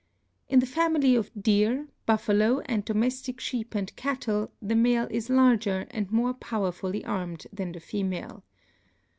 In the family of deer, buffalo and domestic sheep and cattle the male is larger and more powerfully armed than the female.